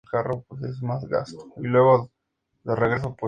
Paolo Lorenzi derrotó en la final a Máximo González.